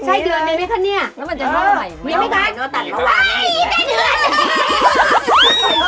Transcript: ใช่เดือนไหมคะเนี่ย